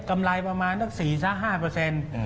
กำไรประมาณ๔๕